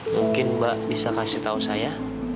mungkin mbak bisa kasih tahu saya